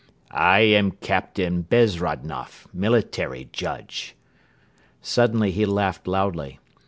"I am Captain Bezrodnoff, military judge." Suddenly he laughed loudly.